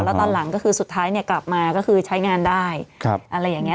แล้วตอนหลังก็คือสุดท้ายเนี่ยกลับมาก็คือใช้งานได้อะไรอย่างนี้